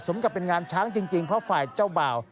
กับเป็นงานช้างจริงเพราะฝ่ายเจ้าบ่าว